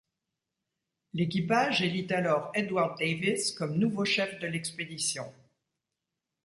L'équipage élit alors Edward Davis comme nouveau chef de l'expédition.